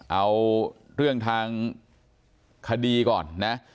เอาเรื่องทางคดีก่อนนะ